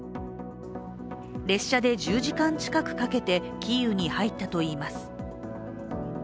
列車で１０時間近くかけてキーウに入ったといいます。